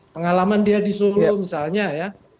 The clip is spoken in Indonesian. pengalaman dia di solo misalnya ya